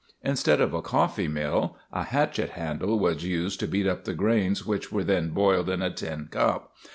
Instead of a coffee mill, a hatchet handle was used to beat up the grains which were then boiled in a tin cup.